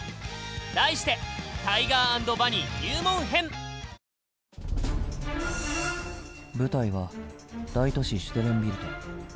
題して舞台は大都市シュテルンビルト。